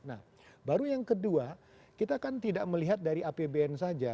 nah baru yang kedua kita kan tidak melihat dari apbn saja